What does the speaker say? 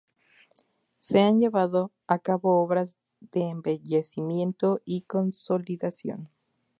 Se han llevando a cabo obras de embellecimiento y consolidación.